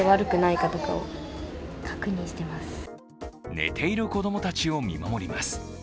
寝ている子供たちを見守ります。